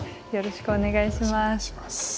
よろしくお願いします。